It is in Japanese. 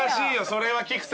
それは菊田。